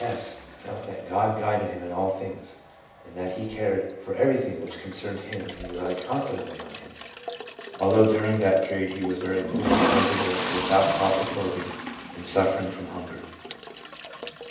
S. felt that "God guided him in all things ; that He cared for everything which concerned him and relied confidently on Him, although during that period he was very poor, miserable, without proper cloth ing, and suffering from hunger."